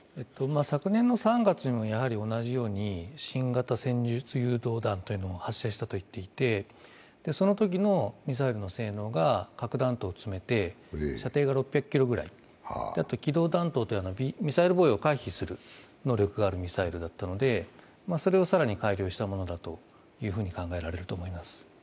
昨年の３月にもやはり同じように新型戦術誘導弾を発射したといわれていてそのときのミサイルの性能が核弾頭を積めて、射程が６００ｋｍくらい、機動弾頭というミサイル防衛を回避する能力のあるミサイルだったのでそれを更に改良したものだと考えられると思います。